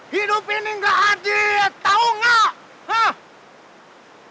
hidup ini gak adil tau gak